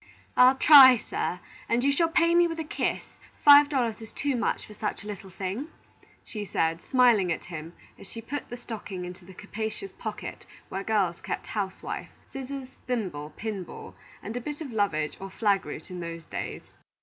"I'll try, sir, and you shall pay me with a kiss; five dollars is too much for such a little thing," she said, smiling at him as she put the stocking into the capacious pocket where girls kept housewife, scissors, thimble, pin ball, and a bit of lovage or flag root in those days.